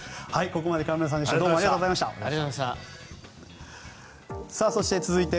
ここまで金村さんでした。